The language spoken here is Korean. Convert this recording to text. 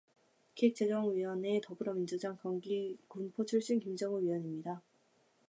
기획재정위원회 더불어민주당 경기 군포 출신 김정우 위원입니다.